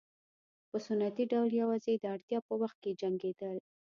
په سنتي ډول یوازې د اړتیا په وخت کې جنګېدل.